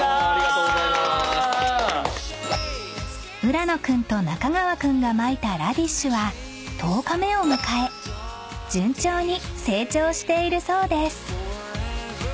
［浦野君と中川君がまいたラディッシュは１０日目を迎え順調に成長しているそうです］